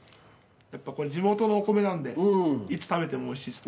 これ地元のお米なんでいつ食べても美味しいですね。